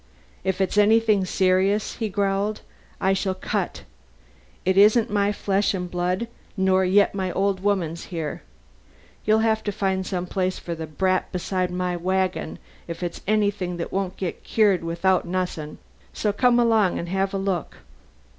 'If it's anything serious,' he growled, 'I shall cut. It isn't my flesh and blood nor yet my old woman's there. You'll have to find some place for the brat besides my wagon if it's anything that won't get cured without nu'ssin'. So come along and have a look.'